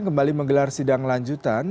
kembali menggelar sidang lanjutan